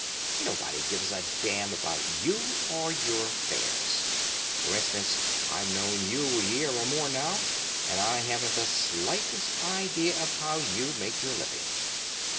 Nobody gives a damn about you or your affairs. For instance, I've known you a year or more now, and I haven't the slightest idea of how you make your living."